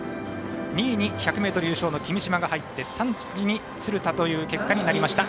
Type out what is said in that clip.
２位に１００ｍ優勝の君嶋が入って３位に鶴田という結果でした。